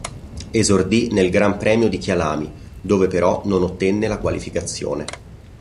Esordì nel Gran Premio di Kyalami, dove però non ottenne la qualificazione.